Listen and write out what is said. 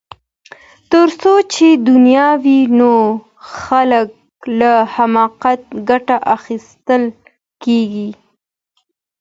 تر څو چي دنیا وي د خلګو له حماقته ګټه اخیستل کیږي.